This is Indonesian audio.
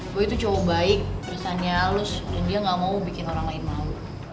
boy tuh cowok baik perisanya halus dan dia gak mau bikin orang lain mau